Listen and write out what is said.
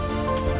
ya itu pak jokowi